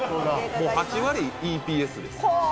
もう８割ＥＰＳです。